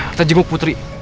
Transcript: kita jenguk putri